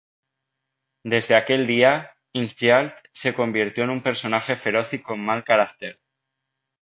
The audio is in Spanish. Desde aquel día, Ingjald se convirtió en un personaje feroz y con mal carácter.